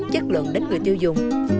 chất lượng đến người tiêu dùng